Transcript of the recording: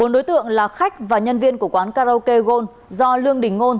bốn đối tượng là khách và nhân viên của quán karaoke gold do lương đình ngôn